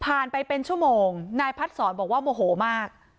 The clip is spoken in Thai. ไปเป็นชั่วโมงนายพัดศรบอกว่าโมโหมาก